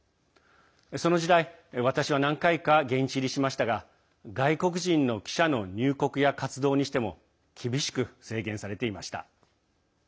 その時代私は何回か現地入りしましたが外国人の記者の入国や活動にしても厳しく制限されていました。